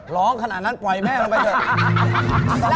ขนาดนั้นปล่อยแม่ลงไปเถอะ